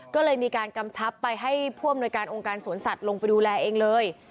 ก็เลยมีการกำชับไปให้ผู้อำนวยการองค์การสวนสัตว์ลงไปดูแลเองเลย